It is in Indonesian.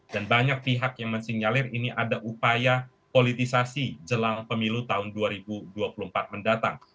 dan banyak pihak yang men signalir ini ada upaya politisasi jelang pemilu tahun dua ribu dua puluh empat mendatang